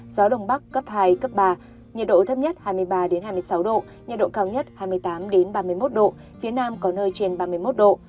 gió đông bắc cấp hai cấp ba nhiệt độ thấp nhất hai mươi ba hai mươi sáu độ nhiệt độ cao nhất hai mươi tám ba mươi một độ phía nam có nơi trên ba mươi một độ